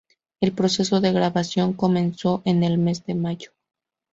El proceso de grabación comenzó en el mes de mayo.